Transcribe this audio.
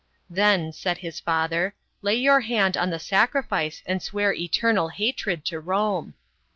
" Then/' said his father, " lay your hand on the sacrifice and swear eternal hatred to Rome."